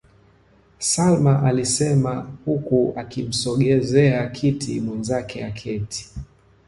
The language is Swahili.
Salma alisema huku akimsogezea kiti mwenzake aketi